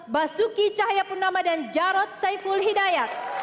basuki cahayapurnama dan jarod saiful hidayat